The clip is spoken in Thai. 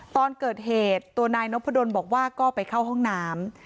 ตอนเกิดเหตุตัวนายนพดลบอกว่าก็ไปเข้าห้องน้ำ